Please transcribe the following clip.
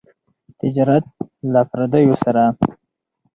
تجارت له پرديو سره.